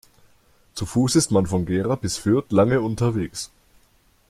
Zu Fuß ist man von Gera bis Fürth lange unterwegs